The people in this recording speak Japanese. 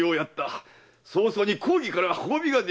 早々に公儀から褒美が出よう。